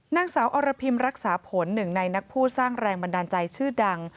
นางสาวอรพิมรักษาผลหนึ่งในนักผู้สร้างแรงบันดาลใจชื่อดัง